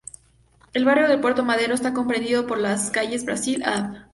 El barrio de Puerto Madero está comprendido por las calles Brasil, Av.